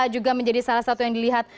juga menjadi salah satu yang dilihat